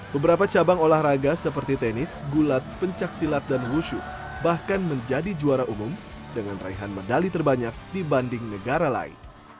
beberapa cabang olahraga seperti tenis gulat pencaksilat dan wushu bahkan menjadi juara umum dengan raihan medali terbanyak dibanding negara lain